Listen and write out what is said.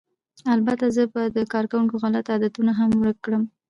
البته زه به د کارکوونکو غلط عادتونه هم ورک کړم